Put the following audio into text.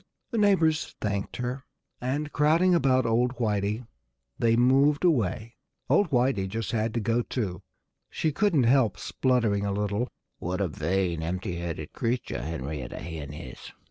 The neighbors thanked her. And crowding about old Whitey they moved away. Old Whitey just had to go too. She couldn't help spluttering a little. "What a vain, empty headed creature Henrietta Hen is!"